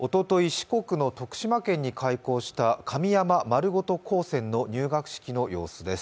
四国の徳島県に開校した神山まるごと高専の入学式の様子です。